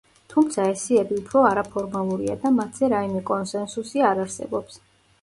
თუმცა ეს სიები უფრო არაფორმალურია და მათზე რაიმე კონსენსუსი არ არსებობს.